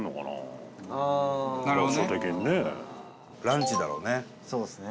伊達：ランチだろうね。